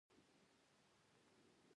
دولت د اړیکو د نظم لپاره جوړیږي.